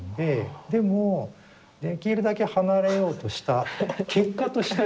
でもできるだけ離れようとした結果として。